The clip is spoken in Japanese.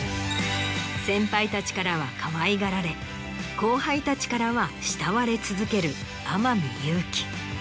先輩たちからはかわいがられ後輩たちからは慕われ続ける天海祐希。